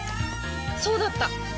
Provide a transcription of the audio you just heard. そうだった！